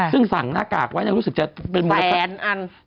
ซึ่งสั่งหน้ากากไว้แล้วรู้สึกจะเป็นแสนอัน